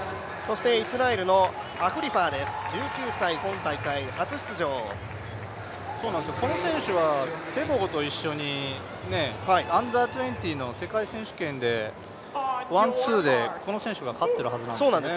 イスラエルのアフリファーです、この選手はテボゴと一緒にＵ−２０の選手権でワン・ツーでこの選手が勝ってるはずなんですね。